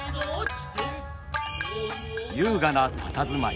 優雅なたたずまい。